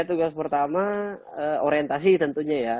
tugas pertama orientasi tentunya ya